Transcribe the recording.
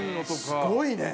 すごいね。